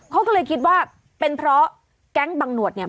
เขาก็เลยคิดว่าเป็นเพราะแก๊งบังหนวดเนี่ย